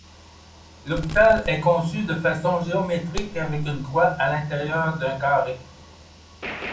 L'hôpital est conçu de façon géométrique avec une croix à l'intérieur d'un carré.